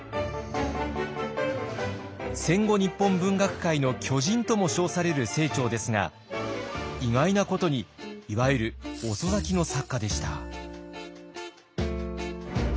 戦後日本文学界の巨人とも称される清張ですが意外なことにいわゆる遅咲きの作家でした。